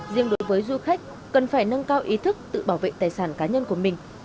riêng đối với du khách cần phải nâng cao ý thức tự bảo vệ tài sản cá nhân của mình